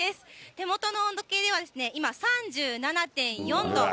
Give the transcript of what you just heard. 手元の温度計では今、３７．４度。